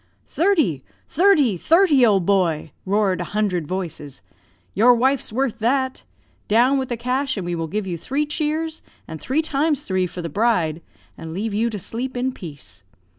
"'Thirty! thirty! thirty! old boy!' roared a hundred voices. 'Your wife's worth that. Down with the cash, and we will give you three cheers, and three times three for the bride, and leave you to sleep in peace.